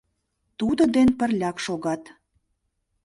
Тудын ден пырляк шогат